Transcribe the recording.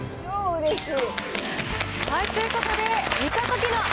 うれしい！